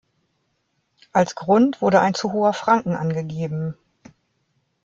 Als Grund wurde ein zu hoher Franken angegeben.